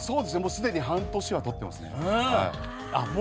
すでに半年はたってますね。